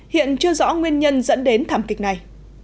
hiện chưa rõ nguyên nhân dẫn đến thảm kịch này